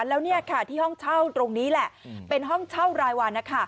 แล้วที่ห้องเช่าตรงนี้แหละเป็นห้องเช่ารายวัน